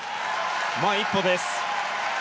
前１歩です。